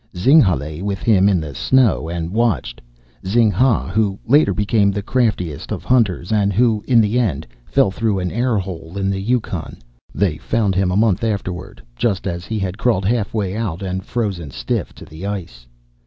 Zing ha lay with him in the snow and watched Zing ha, who later became the craftiest of hunters, and who, in the end, fell through an air hole on the Yukon. They found him, a month afterward, just as he had crawled halfway out and frozen stiff to the ice.